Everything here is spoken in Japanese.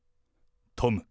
トム。